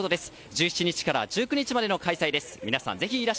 １７日から１９日までの開催です。